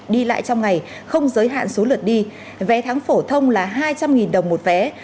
đi lại trong ngày không giới hạn số lượt đi vé tháng phổ thông là hai trăm linh đồng một vé